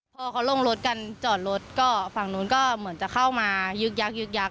พอเขาลงรถกันจอดรถก็ฝั่งนู้นก็เหมือนจะเข้ามายึกยักยึกยักษ